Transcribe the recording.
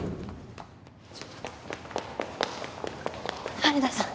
羽田さん